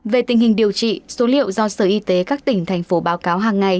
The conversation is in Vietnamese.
về tình hình điều trị số liệu do sở y tế các tỉnh thành phố báo cáo hàng ngày